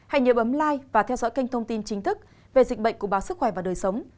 hãy nhớ ấm like và theo dõi kênh thông tin chính thức về dịch bệnh của báo sức khỏe và đời sống